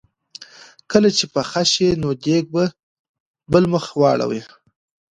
کله چې پخه شي نو دیګ په بل مخ واړوي.